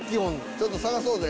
ちょっと探そうぜ。